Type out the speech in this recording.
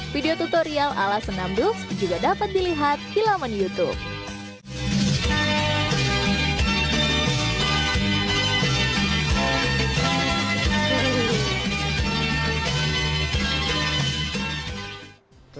video tutorial ala senam dups juga dapat dilihat di laman youtube